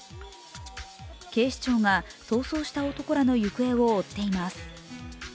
警視庁が逃走した男らの行方を追っています。